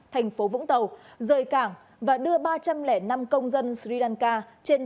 thành phố vũng tàu rời cảng và đưa ba trăm linh năm công dân sri lanka trên